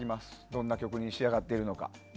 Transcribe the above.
どんな曲に仕上がっているのか。